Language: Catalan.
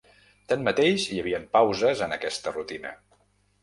Tanmateix, hi havien pauses en aquesta rutina.